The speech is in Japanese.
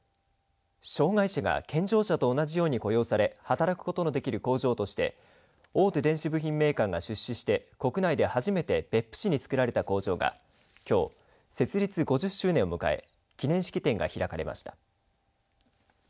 障害者が健常者と同じように雇用され働くことのできる工場として大手電子部品メーカーが出資して国内で初めて別府市につくられた工場がきょう設立５０周年を迎え記念式典が開かれました。